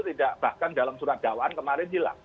tidak bahkan dalam surat dakwaan kemarin hilang